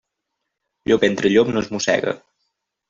Llop entre llop no es mossega.